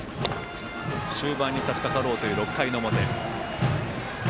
終盤にさしかかろうという６回の表。